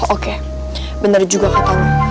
oke bener juga katanya